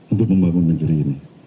untuk membangun negeri ini